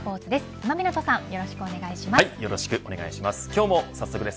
今湊さんよろしくお願いします。